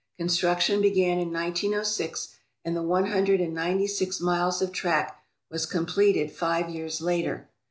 Construction began in 1906 and the one hundred and ninety six miles of track was completed five years later.